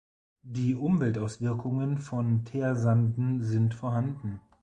Die Umweltauswirkungen von Teersanden sind vorhanden.